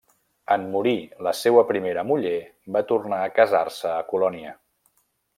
En morir la seua primera muller va tornar a casar-se a Colònia.